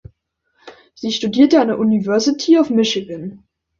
Sie studierte an der University of Michigan.